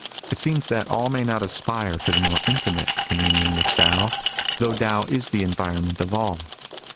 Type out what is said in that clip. It seems that all may not aspire to the more intimate communion with Tao, though Tao is the environment of all.